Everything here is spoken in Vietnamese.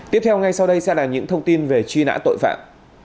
tiếp theo ngay sau đây sẽ là những thông tin về truy nã tội phạm